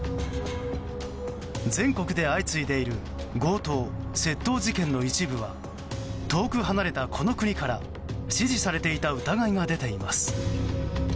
全国で相次いでいる強盗・窃盗事件の一部は遠く離れた、この国から指示されていた疑いが出ています。